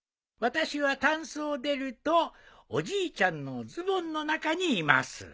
私はたんすを出るとおじいちゃんのズボンの中にいます。